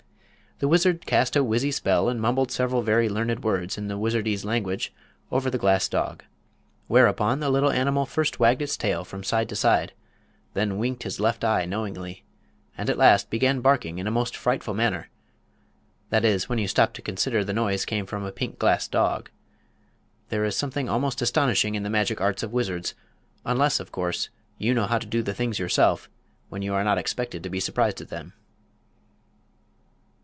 Then the wizard cast a wizzy spell and mumbled several very learned words in the wizardese language over the glass dog. Whereupon the little animal first wagged its tail from side to side, then winked his left eye knowingly, and at last began barking in a most frightful manner—that is, when you stop to consider the noise came from a pink glass dog. There is something almost astonishing in the magic arts of wizards; unless, of course, you know how to do the things yourself, when you are not expected to be surprised at them.